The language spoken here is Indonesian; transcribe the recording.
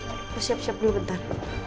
kita siap siap dulu bentar